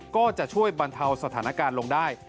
ก็จะช่วยบรรเทาสถานการณ์ลงได้